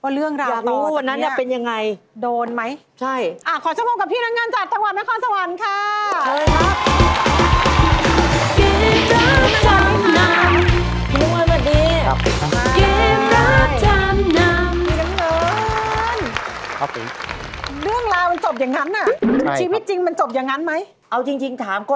ว่าเรื่องราวต่อจากนี้อย่ารู้วันนั้นเป็นยังไง